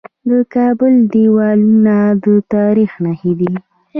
د کابل دیوالونه د تاریخ نښې دي